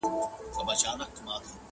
پېړۍ وړاندي له وطن د جادوګرو؛